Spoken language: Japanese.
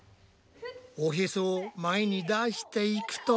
おヘソを前に出していくと。